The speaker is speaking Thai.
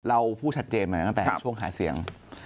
เราพูดชัดเจนมาตั้งแต่ช่วงหาเสียง